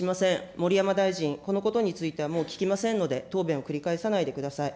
盛山大臣、このことについてはもう聞きませんので、答弁を繰り返さないでください。